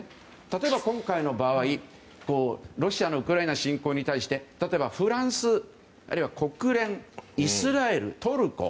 例えば今回の場合ロシアのウクライナ侵攻に対して例えばフランス、あるいは国連イスラエル、トルコ